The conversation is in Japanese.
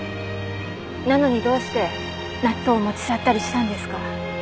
なのにどうして納豆を持ち去ったりしたんですか？